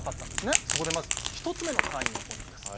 そこでまず１つ目のターニングポイントです。